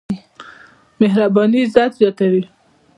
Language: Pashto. مهرباني عزت زياتوي.